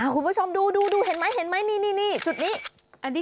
คุณผู้ชมดูเห็นไหมนี่จุดนี้